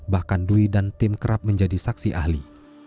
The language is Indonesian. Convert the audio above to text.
bahkan dwi dan tim kerap menjadi saksi ahli